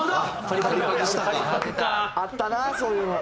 あったなそういうの。